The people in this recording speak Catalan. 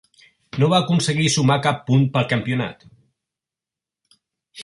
No va aconseguir sumar cap punt pel campionat.